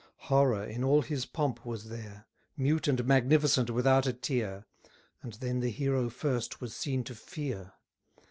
Horror in all his pomp was there, Mute and magnificent without a tear: And then the hero first was seen to fear.